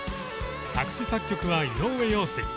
作詞・作曲は井上陽水。